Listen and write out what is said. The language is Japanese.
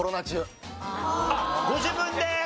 あっご自分で？